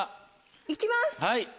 行きます！